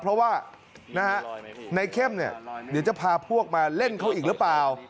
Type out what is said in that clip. เพราะว่าในเข้มเนี่ยเดี๋ยวจะพาพวกมาเล่นเขาอีกหรือเปล่า